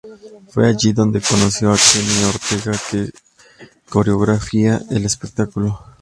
Fue allí donde conoció a Kenny Ortega que coreografió el espectáculo.